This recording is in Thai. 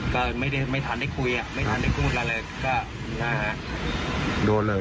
ก็ไม่ได้ไม่ทันได้คุยอ่ะไม่ทันได้พูดอะไรแล้วก็หน้าโดนเลย